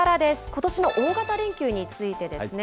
ことしの大型連休についてですね。